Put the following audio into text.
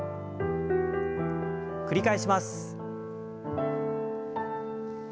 繰り返します。